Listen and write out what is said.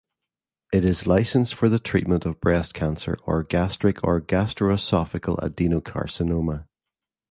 It is licensed for the treatment of breast cancer or gastric or gastroesophageal adenocarcinoma.